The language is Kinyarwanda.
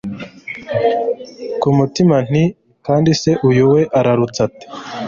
kumutima nti kandi se uyu we ararutse ate!